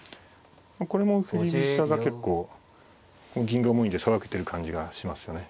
これも振り飛車が結構この銀が重いんでさばけてる感じがしますよね。